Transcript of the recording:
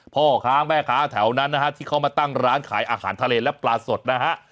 พ่อค้าแม่ค้าแถวนั้นนะฮะที่เขามาตั้งร้านขายอาหารทะเลและปลาสดนะฮะ